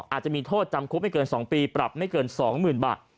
อาจจะมีโทษจำคุกไม่เกิน๒ปีปรับไม่เกิน๒๐๐๐บาท